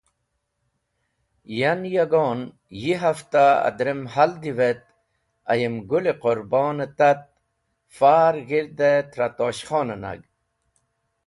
Yan, yagon yi hafta adrem haldev et ayem Gũl-e Qũrbon tat far g̃hirdi trẽ Tosh Khon nag.